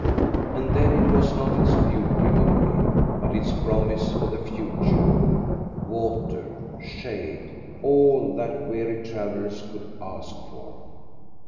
And then it was not its beauty only, but its promise for the future: water, shade, all that weary travellers could ask for.